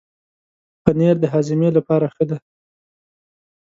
پنېر د هاضمې لپاره ښه دی.